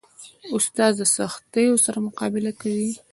استاد د سختیو سره مقابله کوي.